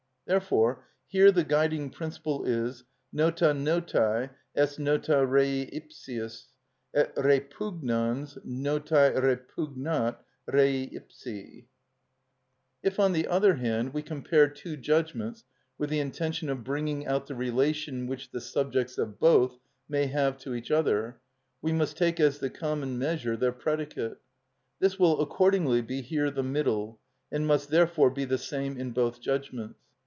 Therefore here the guiding principle is: Nota notæ est nota rei ipsius, et repugnans notæ repugnat rei ipsi. If, on the other hand, we compare two judgments with the intention of bringing out the relation which the subjects of both may have to each other, we must take as the common measure their predicate. This will accordingly be here the middle, and must therefore be the same in both judgments.